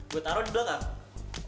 gue taro di belakang